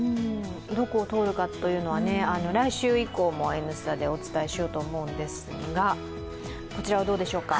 どこを通るかというのは来週以降も「Ｎスタ」でお伝えしようと思うんですがこちらはどうでしょうか。